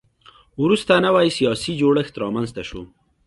وروسته نوی سیاسي جوړښت رامنځته شو